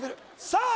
さあ